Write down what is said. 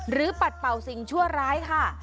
ปัดเป่าสิ่งชั่วร้ายค่ะ